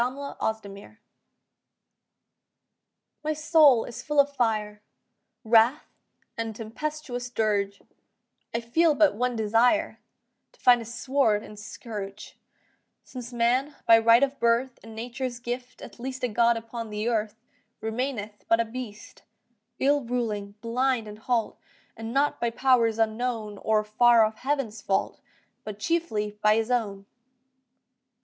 WRATHS My soul is full of fire, Wrath and tempestuous dirge; I feel but one desire, To find a sword and scourge: Since man, by right of birth And nature's gift at least A god upon the earth, Remaineth but a beast, Ill ruling, blind and halt, And not by powers' unknown, Or far off Heaven's, fault, But chiefly by his own.